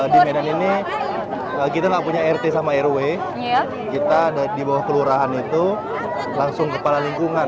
di medan ini kita nggak punya rt sama rw kita ada di bawah kelurahan itu langsung kepala lingkungan